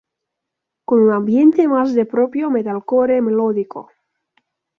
Con un ambiente más de propio Metalcore melódico.